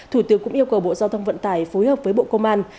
thủ tướng cũng yêu cầu bộ giao thông vận tải phối hợp với bộ công an